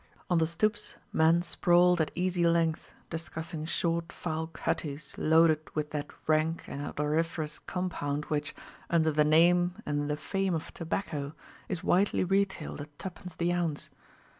On the stoops men sprawled at easy length, discussing short, foul cutties loaded with that rank and odoriferous compound which, under the name and in the fame of tobacco, is widely retailed at tuppence the ounce.